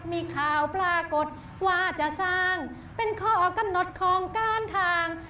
มีข่าวปรากฏว่าจะสร้างเป็นข้อกำหนดของการทาง